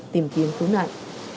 tìm kiếm cứu nạn